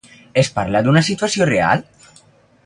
Es parla d'una situació real?